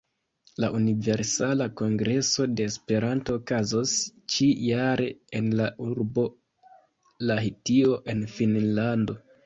La Universala Kongreso de Esperanto okazos ĉi-jare en la urbo Lahtio en Finnlando.